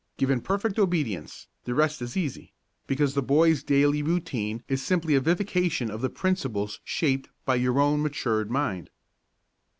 Given perfect obedience, the rest is easy, because the boy's daily routine is simply a vivification of the principles shaped by your own matured mind.